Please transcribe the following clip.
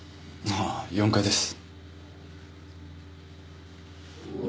あ４階です。